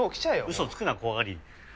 嘘つくな怖がり！